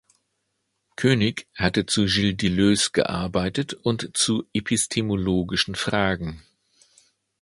Koenig hat zu Gilles Deleuze gearbeitet und zu epistemologischen Fragen.